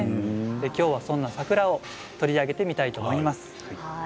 今日はそんな桜を取り上げてみたいと思います。